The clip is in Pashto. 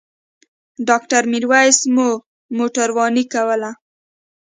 ډاکټر میرویس مو موټرواني کوله.